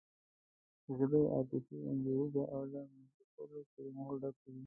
ژبه یې عاطفي انځوریزه او له محسوسو کلمو ډکه وي.